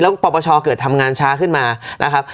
แล้วปปชเกิดทำงานช้าขึ้นมานะครับ